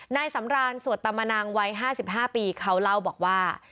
นายสำรานสวดตามนังวัย๕๕ปีเขาเล่าบอกว่า